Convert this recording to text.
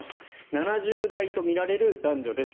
７０代とみられる男女です。